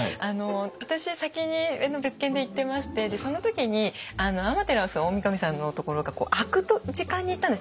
私先に別件で行ってましてその時に天照大神さんのところが開く時間に行ったんですね。